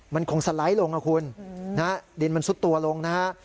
มันคงสะไหลลงนะคุณดินมันสุดตัวลงนะฮะ